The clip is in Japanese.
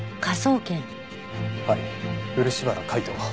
はい漆原海斗。